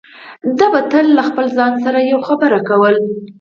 ده به تل له خپل ځان سره يوه خبره کوله.